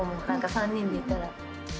３人でいたら。